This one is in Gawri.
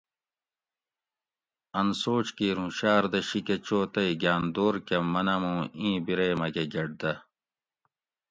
اۤن سوچ کِیر اُوں شاردہ شی کہ چوتئ گاۤن دور کہ منم اُوں اِیں بِرے مکہ گۤٹ دہ